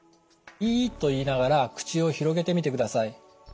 「いー」と言いながら口を広げてみてください。